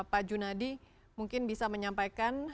pak junadi mungkin bisa menyampaikan